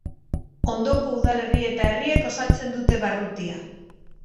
Ondoko udalerri eta herriek osatzen dute barrutia.